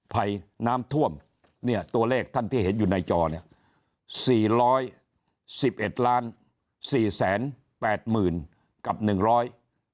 ภัยน้ำท่วมเนี่ยตัวเลขท่านที่เห็นอยู่ในจอเนี่ย